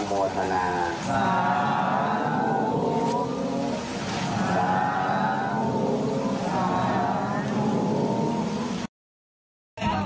สวัสดีครับทุกคน